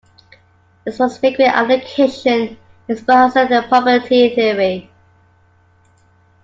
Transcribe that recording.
Its most frequent application is perhaps in probability theory.